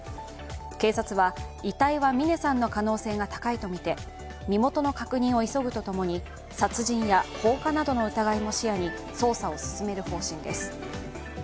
警察は、遺体は峰さんの可能性が高いとみて身元の確認を急ぐとともに殺人や放火などの疑いを視野に捜査を進める方針です。